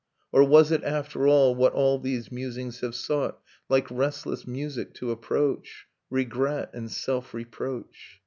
. Or was it, after all, what all these musings Have sought, like restless music, to approach, — Regret, and self reproach?.